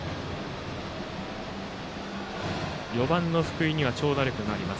４番の福井には長打力があります。